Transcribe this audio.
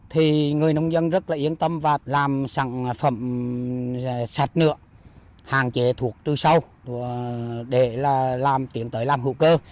thì người nông dân rất là yên tâm và làm sản phẩm sạch nựa hàng chế thuộc trừ sâu để tiến tới làm hữu cơ